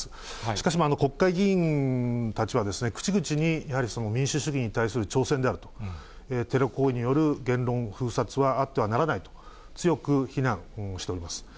しかし、国会議員たちは、口々に、やはり民主主義に対する挑戦であると、テロ行為による言論封殺はあってはならないと、強く非難しております。